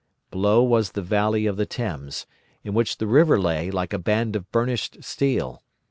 Below was the valley of the Thames, in which the river lay like a band of burnished steel.